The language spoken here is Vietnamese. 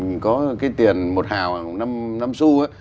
mình có cái tiền một hào năm su ấy